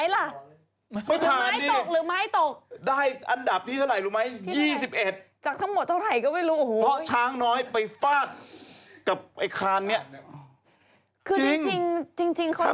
แล้วตรงนั้นเขาผ่านไหมล่ะ